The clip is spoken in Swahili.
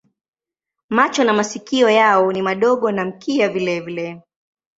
Macho na masikio yao ni madogo na mkia vilevile.